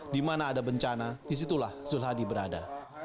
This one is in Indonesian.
dimana ada bencana disitulah zul hadi berada